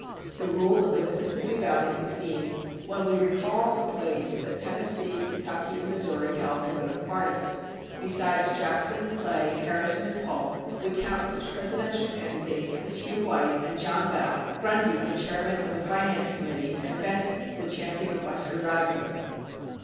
The rule of the Mississippi Valley is seen when we recall the place that Tennessee, Kentucky, and Missouri held in both parties. Besides Jackson, Clay, Harrison and Polk, we count such presidential candidates as Hugh White and John Bell, Vice President R. M. Johnson, Grundy, the chairman of the finance committee, and Benton, the champion of western radicalism.